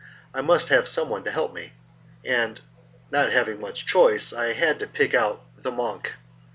I must have someone to help me; and not having much choice I had to pick out the monk.